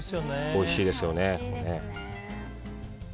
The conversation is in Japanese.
おいしいですよね。